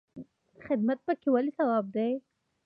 خدمت پکې ولې ثواب دی؟